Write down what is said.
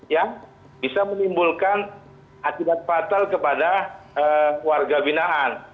yang bisa menimbulkan akibat fatal kepada warga binaan